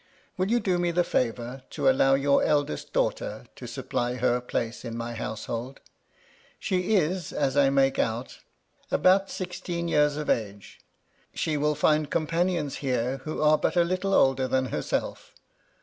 Will you do me ' the fevour to allow your eldest daughter to supply her * place in my household ? She is, as I make out, about ^ sixteen years of age. She will find companions here * who are but a little older than herself.